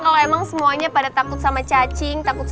ini juga bisa apa kita ganti pakai kapas